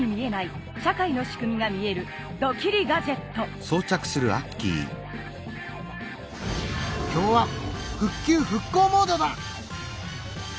これは今日は復旧・復興モードだ！